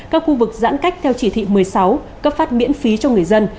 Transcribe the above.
các khu vực giãn cách theo chỉ thị một mươi sáu cấp phát miễn phí cho người dân